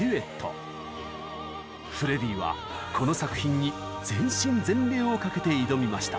フレディはこの作品に全身全霊を懸けて挑みました。